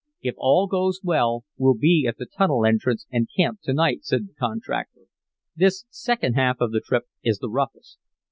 "If all goes well we'll be at the tunnel entrance and camp to night," said the contractor. "This second half of the trip is the roughest."